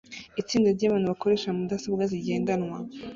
Itsinda ryabantu bakoresha mudasobwa zigendanwa